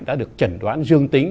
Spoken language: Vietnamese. đã được chẩn đoán dương tính